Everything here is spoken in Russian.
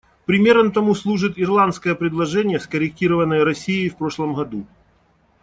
Примером тому служит ирландское предложение, скорректированное Россией в прошлом году.